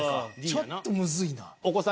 ちょっとむずいな。